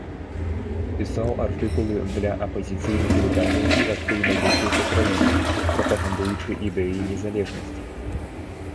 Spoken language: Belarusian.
Пісаў артыкулы для апазіцыйных выданняў і актыўна ездзіў па краіне, прапагандуючы ідэі незалежнасці.